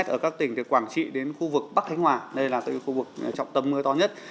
ở các tỉnh từ quảng trị đến khu vực bắc khánh hòa đây là khu vực trọng tâm mưa to nhất